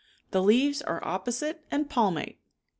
The leaves are opposite and palmate.